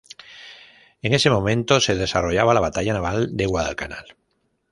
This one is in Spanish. En ese momento se desarrollaba la Batalla naval de Guadalcanal.